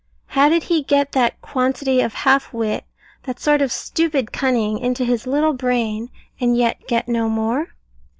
How did he get that quantity of half wit, that sort of stupid cunning, into his little brain, and yet get no more?